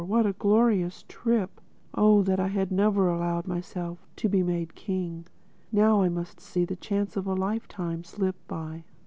What a glorious trip!—Oh that I had never allowed myself to be made king! Now I must see the chance of a lifetime slip by."